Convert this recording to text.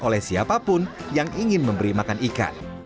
oleh siapapun yang ingin memberi makan ikan